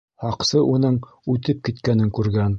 Һаҡсы уның үтеп киткәнен күргән.